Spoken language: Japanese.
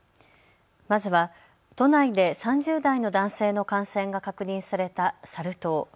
まずは都内で３０代の男性の感染が確認されたサル痘。